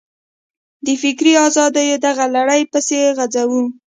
د فکري ازادیو دغه لړۍ پسې غځوو.